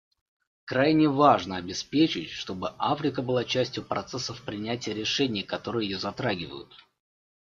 Крайне важно обеспечить, чтобы Африка была частью процессов принятия решений, которые ее затрагивают.